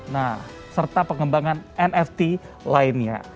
nah serta pengembangan nft lainnya